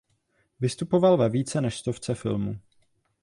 Vystupoval ve více než stovce filmů.